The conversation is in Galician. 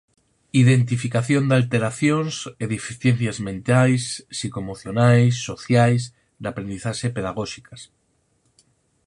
Identificación de alteracións e deficiencias mentais, psico-emocionais, sociais, da aprendizaxe e pedagóxicas.